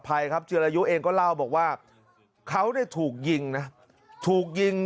ภัยครับจิรายุเองก็เล่าบอกว่าเขาเนี่ยถูกยิงนะถูกยิง